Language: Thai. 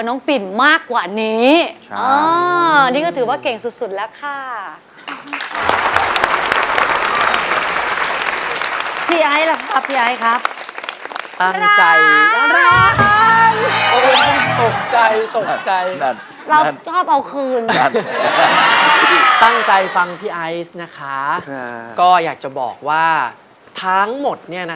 เออมันจะง่ายไปไหมล่ะ